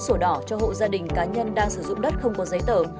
sổ đỏ cho hộ gia đình cá nhân đang sử dụng đất không có giấy tờ